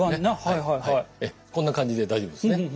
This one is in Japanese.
こんな感じで大丈夫ですね。